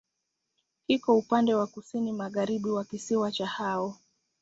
Kiko upande wa kusini-magharibi wa kisiwa cha Hao.